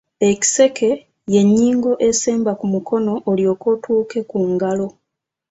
Ekiseke y’ennyingo esemba ku mukono olyoke otuuke ku ngalo.